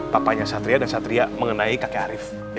papanya satria dan satria mengenai kakek arief